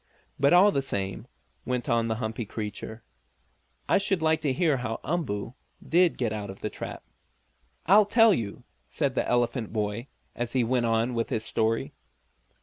"But, all the same," went on the humpy creature, "I should like to hear how Umboo did get out of the trap." "I'll tell you," said the elephant boy, and he went on with his story.